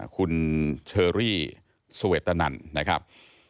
คุณเชอรี่สเวตนันนะครับ